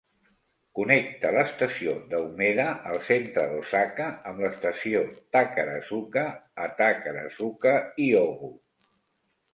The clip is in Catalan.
Connecta l'estació de Umeda al centre d'Osaka amb l'estació Takarazuka a Takarazuka, Hyogo.